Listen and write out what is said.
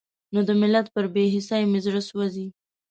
نو د ملت پر بې حسۍ مې زړه سوزي.